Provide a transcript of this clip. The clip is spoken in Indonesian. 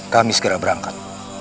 kami segera berangkat